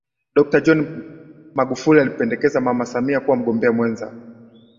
Dokta John Magufuli alimpendekeza Mama Samia kuwa mgombea mwenza